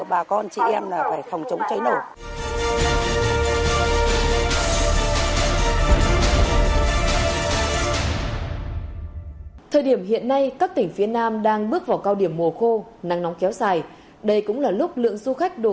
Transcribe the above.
bà có thể nhận được những cái bình phòng cháy chữa cháy